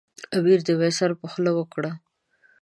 امیر د وایسرا په خوله وکړه.